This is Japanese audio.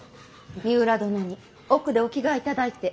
三浦殿に奥でお着替えいただいて。